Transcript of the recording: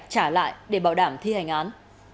trả lại để bảo đảm thi hành án